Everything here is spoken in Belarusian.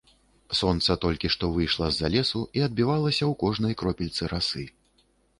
Сонца толькі што выйшла з-за лесу і адбівалася ў кожнай кропельцы расы.